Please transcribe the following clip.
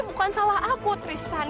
bukan salah aku tristan